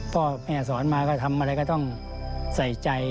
พ่อแม่สอนมาก็ทำอะไรก็ต้องใส่ใจ